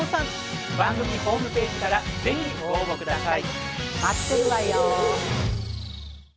番組ホームページから是非ご応募下さい！